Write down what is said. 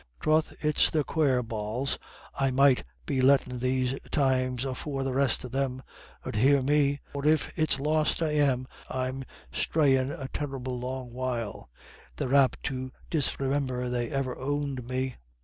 Troth it's the quare bawls I might be lettin' these times afore the rest of them 'ud hear me, for if it's lost I am, I'm strayin' a terrible long while; they're apt to disremimber they ever owned me.